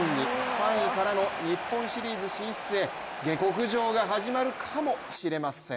３位からの日本シリーズ進出へ下克上が始まるかもしれません。